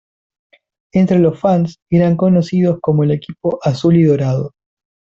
Entre los fans, eran conocidos como el equipo "Azul y Dorado".